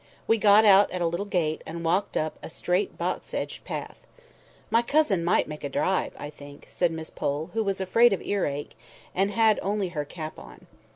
We got out at a little gate, and walked up a straight box edged path. "My cousin might make a drive, I think," said Miss Pole, who was afraid of ear ache, and had only her cap on.